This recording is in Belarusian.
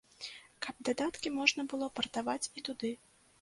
Каб дадаткі можна было партаваць і туды.